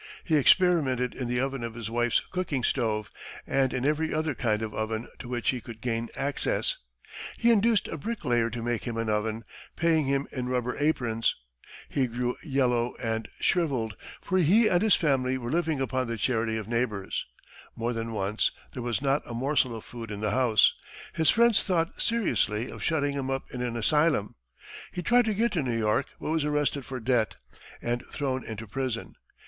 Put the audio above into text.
He experimented in the oven of his wife's cooking stove, and in every other kind of oven to which he could gain access; he induced a brick layer to make him an oven, paying him in rubber aprons; he grew yellow and shrivelled, for he and his family were living upon the charity of neighbors; more than once, there was not a morsel of food in the house; his friends thought seriously of shutting him up in an asylum; he tried to get to New York, but was arrested for debt, and thrown into prison.